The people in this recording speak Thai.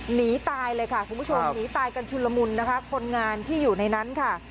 หนีตายเลยค่ะคุณผู้ชมหนีตายกันชุนละมุนนะคะคนงานที่อยู่ในนั้นค่ะ